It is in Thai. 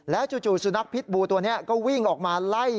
จู่สุนัขพิษบูตัวนี้ก็วิ่งออกมาไล่